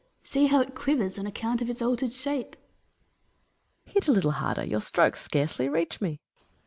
See how it quivers on account of its altered shape ! Hercules. Hit a little harder; your strokes scarcely reach me.